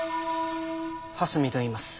蓮見といいます。